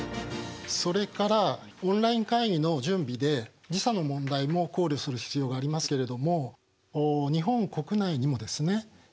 それからオンライン会議の準備で時差の問題も考慮する必要がありますけれども日本国内にもですね